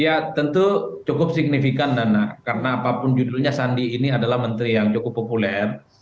ya tentu cukup signifikan nana karena apapun judulnya sandi ini adalah menteri yang cukup populer